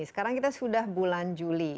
sekarang kita sudah bulan juli